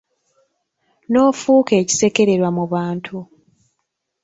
N'ofuuka ekisekererwa mu bantu.